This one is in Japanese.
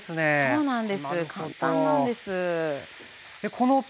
そうなんです。